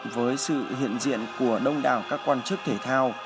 với sự hiện diện của đông đảo các quan chức thể thao